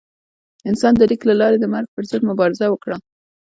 انسان د لیک له لارې د مرګ پر ضد مبارزه وکړه.